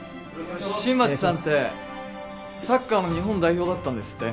新町さんってサッカーの日本代表だったんですって？